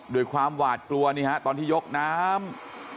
ด้วยความหวาดตัวตอนที่ยกน้ำ